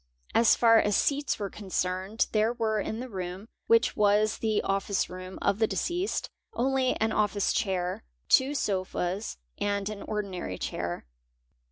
As far as seats "were concerned there were in the room, which was the office room of the deceased, only an office chair, two sofas and an ordinary chair.